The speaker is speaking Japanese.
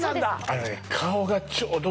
あのね